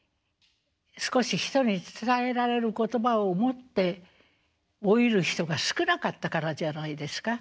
少し人に伝えられる言葉を持って老いる人が少なかったからじゃないですか？